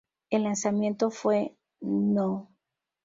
El lanzamiento fue no.